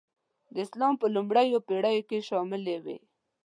د اسلام په لومړنیو پېړیو کې شاملي وې.